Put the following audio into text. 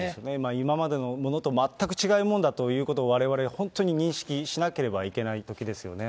今までのものと全く違うもんだということをわれわれ、本当に認識しなければいけないときですよね。